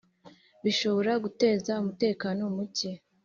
bishobora guteza umutekano muke